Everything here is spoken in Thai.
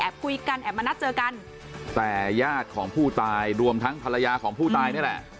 คุยกันแอบมานัดเจอกันแต่ญาติของผู้ตายรวมทั้งภรรยาของผู้ตายนี่แหละ